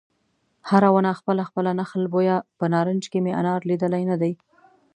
هره ونه خپله خپله نخل بویه په نارنج کې مې انار لیدلی نه دی